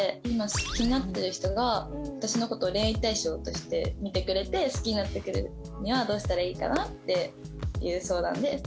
今気になってる人が私の事恋愛対象として見てくれて好きになってくれるにはどうしたらいいかなっていう相談で。